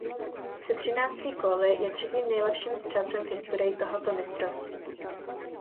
Se třinácti góly je třetím nejlepším střelcem v historii tohoto mistrovství.